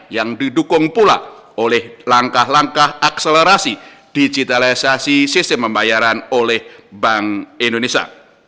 yang didukung pula oleh langkah langkah akselerasi digitalisasi sistem pembayaran oleh bank indonesia